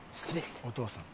お父さん。